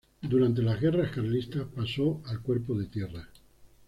Durante las guerras Carlistas pasó al cuerpo de tierra.